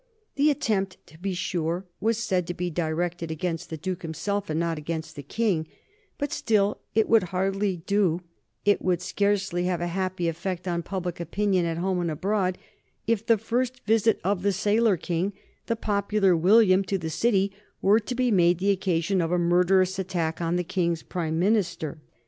The attempt, to be sure, was said to be directed against the Duke himself and not against the King; but still it would hardly do, it would scarcely have a happy effect on public opinion at home and abroad, if the first visit of the Sailor King, the popular William, to the City were to be made the occasion of a murderous attack on the King's Prime Minister.